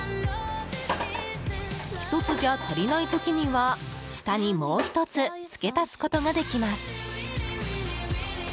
１つじゃ足りない時には、下にもう１つ付け足すことができます。